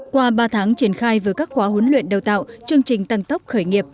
qua ba tháng triển khai với các khóa huấn luyện đào tạo chương trình tăng tốc khởi nghiệp